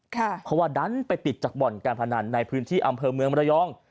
เพราะว่าดันไปปิดจากบ่อนการพนันในพื้นที่อำเภอเมืองระยอง